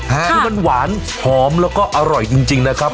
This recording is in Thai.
คือมันหวานหอมแล้วก็อร่อยจริงนะครับ